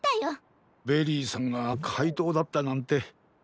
ベリーさんがかいとうだったなんて。